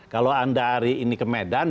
kalau anda hari ini ke medan